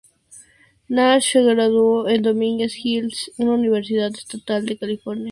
Nash se graduó en Dominguez Hills, una universidad estatal de California.